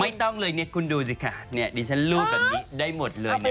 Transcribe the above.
ไม่ต้องเลยเนี่ยคุณดูสิค่ะเนี่ยดิฉันรูดแบบนี้ได้หมดเลยเนี่ย